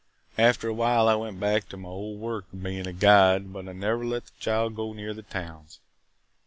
"After a while I went back to my old work of bein' a guide but I never let the child go near the towns.